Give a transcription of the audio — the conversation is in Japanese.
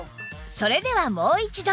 それではもう一度